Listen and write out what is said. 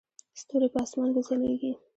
ستوري په اسمان کې ځلیږي